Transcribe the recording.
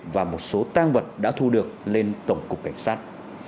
và một số tang vật đã thu được lên tổng cục cảnh sát